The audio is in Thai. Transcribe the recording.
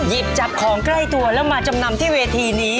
หยิบจับของใกล้ตัวแล้วมาจำนำที่เวทีนี้